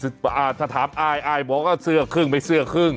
ถ้าถามอายอายบอกว่าเสื้อครึ่งไม่เสื้อครึ่ง